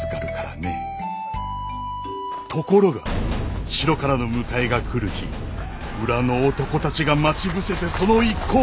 ところが城からの迎えが来る日村の男たちが待ち伏せてその一行を襲った。